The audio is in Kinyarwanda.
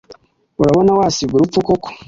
urabona wasiga urupfu koko?"